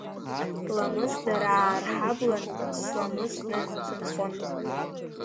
Ламысдараа рҳаблан сламысдан сынхон.